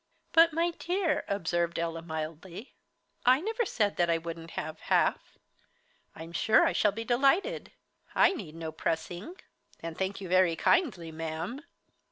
"But, my dear," observed Ella, mildly, "I never said that I wouldn't have half. I'm sure I'll be delighted. I'll need no pressing and thank you very kindly, ma'am."